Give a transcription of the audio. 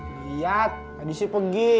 liat tadi sih pergi